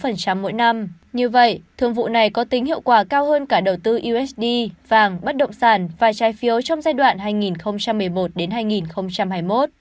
như vậy thương vụ này có tính hiệu quả cao hơn cả đầu tư usd vàng bất động sản và trái phiếu trong giai đoạn hai nghìn một mươi một hai nghìn hai mươi một